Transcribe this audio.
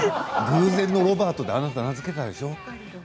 偶然のロバートとあなたが名を付けたでしょう。